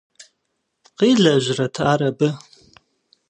Къилэжьрэт ар абы?